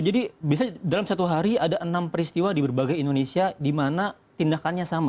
jadi dalam satu hari ada enam peristiwa di berbagai indonesia di mana tindakannya sama